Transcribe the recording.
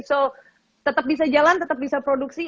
jadi tetap bisa jalan tetap bisa produksi